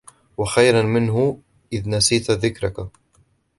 وَخَيْرٌ مِنْهُ مَنْ إذَا نَسِيت ذَكَّرَك